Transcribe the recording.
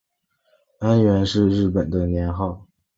安元是日本的年号。